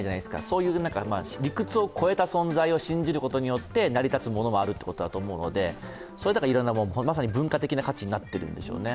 そういう理屈を超えた存在を信じることによって成り立つものもあるということだと思うので、だからいろいろなもの、まさに文化的価値になってるんですね。